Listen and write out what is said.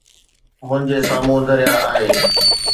منهنجي سامهون درياهه آهي.